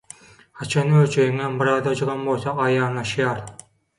haçan öljegiňem birazajygam bolsa aýanlaşýar.